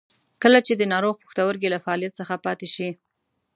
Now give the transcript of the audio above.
کله چې د ناروغ پښتورګي له فعالیت څخه پاتې شي.